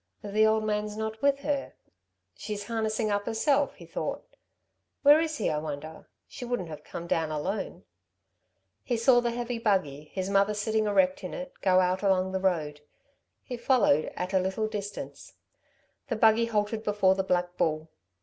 "The old man's not with her. She's harnessing up herself," he thought. "Where is he, I wonder? She wouldn't have come down alone." He saw the heavy buggy, his mother sitting erect in it, go out along the road. He followed at a little distance. The buggy halted before the Black Bull.